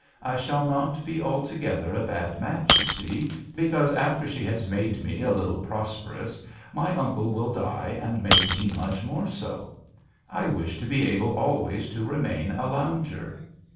I shall not be altogether a bad match, you see, because after she has made me a little pros perous my uncle will die and make me much more so. I wish to be able always to remain a lounger.